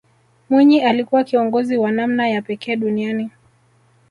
mwinyi alikuwa kiongozi wa namna ya pekee duniani